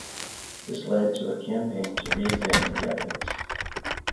This led to a campaign to re-examine the evidence.